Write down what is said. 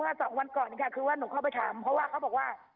สองวันก่อนค่ะคือว่าหนูเข้าไปถามเพราะว่าเขาบอกว่า